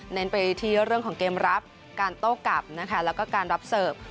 เน้นไปที่เรื่องของเกมรับการโต้กลับนะคะแล้วก็การรับเสิร์ฟ